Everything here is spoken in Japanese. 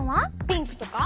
ピンクとか？